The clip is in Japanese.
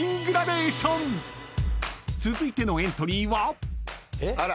［続いてのエントリーは］